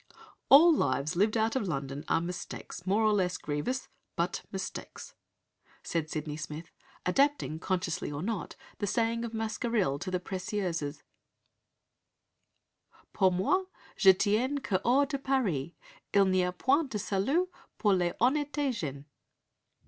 "All lives lived out of London are mistakes more or less grievous but mistakes," said Sydney Smith, adapting, consciously or not, the saying of Mascarille to the Précieuses: "Pour moi, Je tiens que hors de Paris, il n'y a point de salut pour les honnetes gens."